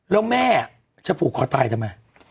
แล้วแม่จะผูกคอตายทำไม